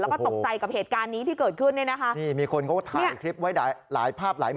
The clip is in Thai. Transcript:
แล้วก็ตกใจกับเหตุการณ์นี้ที่เกิดขึ้นเนี่ยนะคะนี่มีคนเขาถ่ายคลิปไว้หลายหลายภาพหลายมุม